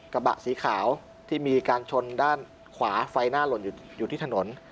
กระบะสีขาวที่มีการชนด้านขวาไฟหน้าหล่นอยู่ที่ถนน